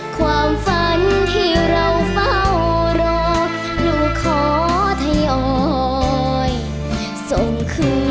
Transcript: ความฝันที่เราเฝ้ารอลูกขอทยอยส่งคืน